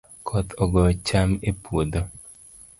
Koth ogoyo cham e puodho